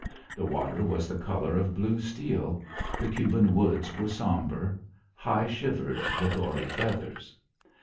The water was the colour of blue steel; the Cuban woods were sombre; high shivered the gory feathers.